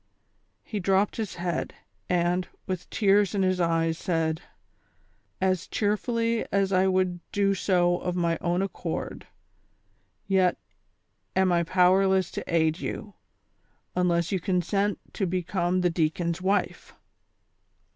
He dropped his head, and, with tears in his eyes, said :" As cheerfully as I would do so of my own accord ; yet am I powerless to aid you, unless you consent to become the deacon's wife."